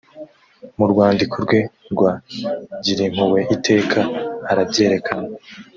mu rwandiko rwe rwa girimpuhwe iteka arabyerekana